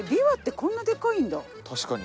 確かに。